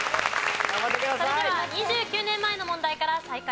それでは２９年前の問題から再開です。